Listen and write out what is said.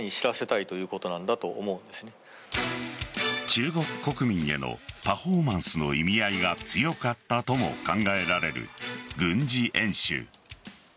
中国国民へのパフォーマンスの意味合いが強かったとも考えられる軍事演習。